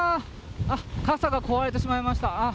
傘が壊れてしまいました。